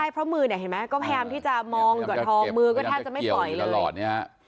เพราะมือหน่อยก็พยายามไม่เตรียมไปเลย